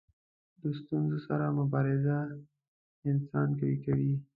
د ستونزو سره مبارزه انسان قوي کوي.